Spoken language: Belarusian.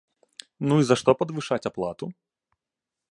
Ну і за што падвышаць аплату?